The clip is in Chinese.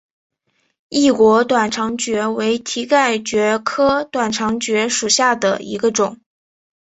异果短肠蕨为蹄盖蕨科短肠蕨属下的一个种。